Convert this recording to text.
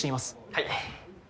はい。